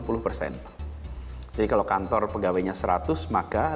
prinsip kedua kegiatan apapun kantor apapun yang berkegiatan hanya yang sehat bila tidak sehat tetap di rumah